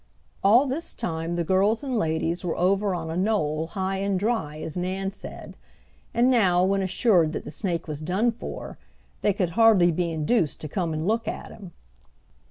All this time the girls and ladies were over on a knoll "high and dry," as Nan said, and now, when assured that the snake was done for they could hardly be induced to come and look at him.